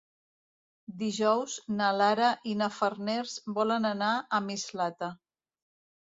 Dijous na Lara i na Farners volen anar a Mislata.